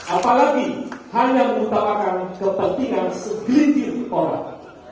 apalagi hanya mengutamakan kepentingan segelintir orang